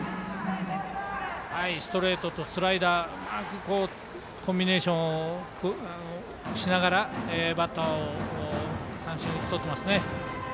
ストレートとスライダーうまくコンビネーションしながらバッターを三振に打ち取ってますね。